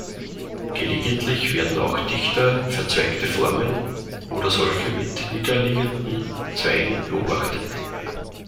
Gelegentlich werden auch dichter verzweigte Formen oder solche mit niederliegenden Zweigen beobachtet.